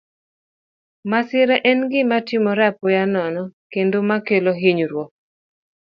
Masira en gima timore apoya nono kendo ma kelo hinyruok.